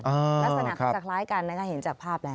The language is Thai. ลักษณะเขาจะคล้ายกันนะคะเห็นจากภาพแล้ว